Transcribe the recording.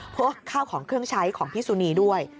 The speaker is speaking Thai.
พวกข้าวของเครื่องใช้ของพี่สุนีด้วย